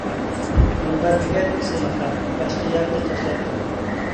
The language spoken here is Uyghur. مۇنبەر دېگەن ئېسىل ماكان، باشقا يەرنى تاشلاپ قوي.